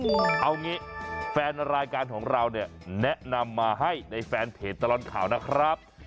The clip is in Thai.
เอางี้แฟนรายการของเราเนี่ยแนะนำมาให้ในแฟนเพจตลอดข่าวนะครับ